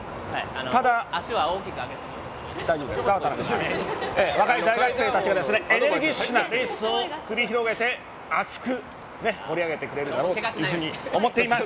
ただ大学生たちはエネルギッシュなレースを繰り広げて熱く盛り上げてくれると思っています。